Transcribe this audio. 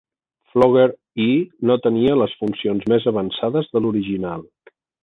"Flogger-E" no tenia les funcions més avançades de l'original.